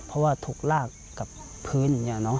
เพราะว่าถูกรากกับพื้น